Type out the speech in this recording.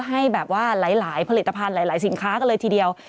ให้หลายผลิตภัณฑ์หลายสินค้าก็เลยทีเดียว